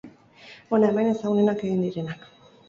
Hona hemen ezagunenak egin direnak.